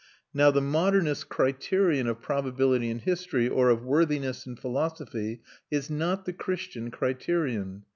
Now the modernists' criterion of probability in history or of worthiness in philosophy is not the Christian criterion.